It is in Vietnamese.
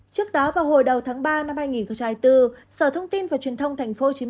trước đó vào hồi đầu tháng ba năm hai nghìn bốn sở thông tin và truyền thông tp hcm